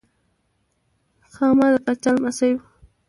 خاما د پاچا لمسی و.